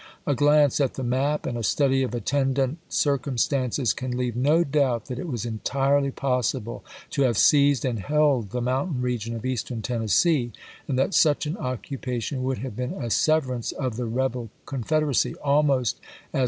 A glance at the map, and a study of attendant circumstances, can leave no doubt that it was entirely possible to have seized and held the mountain region of Eastern Tennes see, and that such an occupation would have been a severance of the rebel Confederacy, almost as 74 ABKAHAM LINCOLN CHAP. IV.